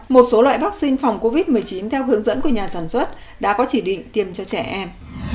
một số loại vaccine phòng covid một mươi chín theo hướng dẫn của nhà sản xuất đã có chỉ định tiêm cho trẻ em